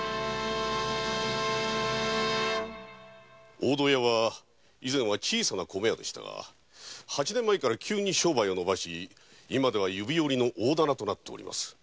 大戸屋は以前は小さな米屋でしたが八年前から急に商売をのばし今では指折りの大店となっております。